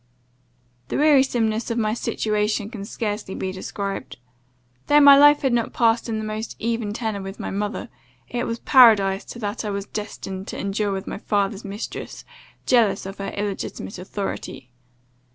"The wearisomeness of my situation can scarcely be described. Though my life had not passed in the most even tenour with my mother, it was paradise to that I was destined to endure with my father's mistress, jealous of her illegitimate authority.